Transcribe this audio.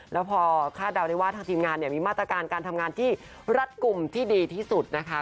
แล้วพอคาดเดาได้ว่าทางทีมงานเนี่ยมีมาตรการการทำงานที่รัฐกลุ่มที่ดีที่สุดนะคะ